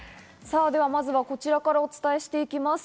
まずはこちらからお伝えしていきます。